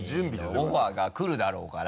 オファーがくるだろうから。